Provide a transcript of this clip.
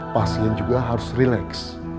pasien juga harus relax